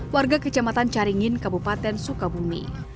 warga kecamatan caringin kabupaten sukabumi